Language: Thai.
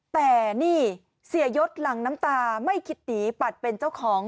แต่นี่เสียยศหลังน้ำตาไม่คิดหนีปัดเป็นเจ้าของ